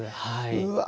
うわ！